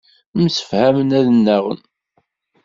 Msefhamen ad nnaɣen.